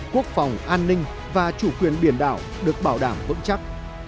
quốc phòng an ninh và chủ quyền biển đảo được bảo đảm vững chắc